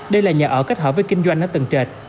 đây là nhà ở kết hợp với kinh doanh ở từng trệt